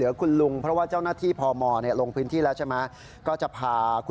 แล้วเขาขายวิ่งตามไปถึงหน้าวัด